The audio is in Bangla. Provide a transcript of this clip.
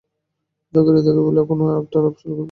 জাকারিয়ার দেখা পেলে কোনো একটা আলাপ শুরুর চেষ্টা করবে।